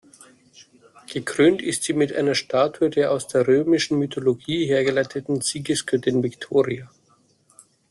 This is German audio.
Gekrönt ist sie mit einer Statue der aus der römischen Mythologie hergeleiteten Siegesgöttin Victoria.